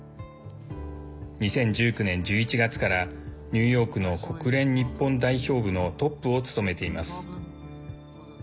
２０１９年１１月からニューヨークの国連日本代表部のトップを務めています。